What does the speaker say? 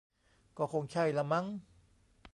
ก็คงใช่ละมั้ง